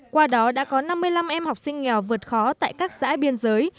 qua đó đã có năm mươi năm em học sinh nghèo vượt khó tại các xã biên giới